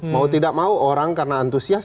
mau tidak mau orang karena antusias